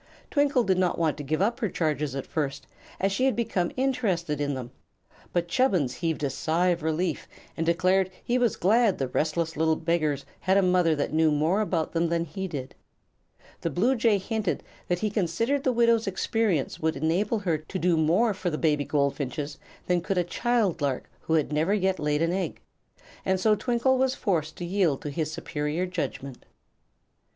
Twinkle did not want to give up her charges at first, as she had become interested in them; but Chubbins heaved a sigh of relief and declared he was glad the "restless little beggars" had a mother that knew more about them than he did. The bluejay hinted that he considered the widow's experience would enable her to do more for the baby goldfinches than could a child lark who had never yet laid an egg, and so Twinkle was forced to yield to his superior judgment.